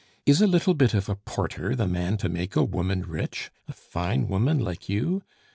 Is a little bit of a porter the man to make a woman rich a fine woman like you?